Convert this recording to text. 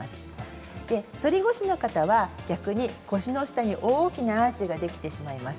反り腰の方は逆に腰の下に大きなアーチができてしまいます。